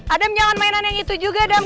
adam jangan mainan yang itu juga adam